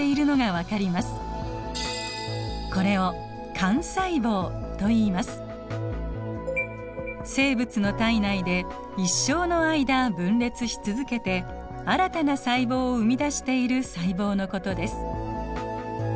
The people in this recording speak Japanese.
これを生物の体内で一生の間分裂し続けて新たな細胞を生み出している細胞のことです。